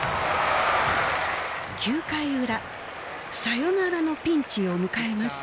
９回ウラサヨナラのピンチを迎えます。